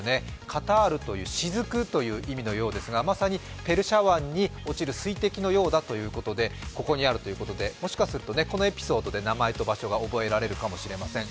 カタールという滴という意味のようですがまさにペルシャ湾に落ちる水滴のようだということで、ここにあるということで、もしかすると、このエピソードで名前と場所が覚えられるかもしれません。